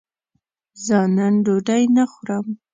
زه نن ډوډی نه خورم